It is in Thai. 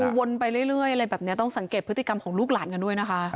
คือวนไปเรื่อยอะไรแบบนี้ต้องสังเกตพฤติกรรมของลูกหลานกันด้วยนะคะ